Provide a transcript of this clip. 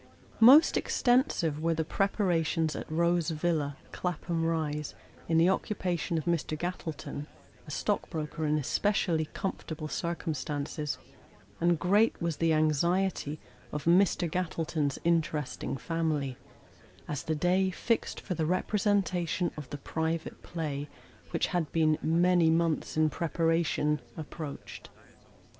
MOST extensive were the preparations at Hose Villa, Claphara Rise, in the occupation of Mr. Gattleton (a stock broker in especially com fortable circumstances), and great was the anxiety of Mr. Gattleton's interesting family, as the day fixed for the representation of the Private Play which had been "many months in preparation," approached.